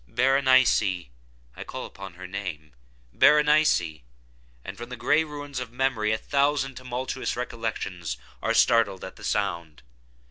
Berenice!—I call upon her name—Berenice!—and from the gray ruins of memory a thousand tumultuous recollections are startled at the sound!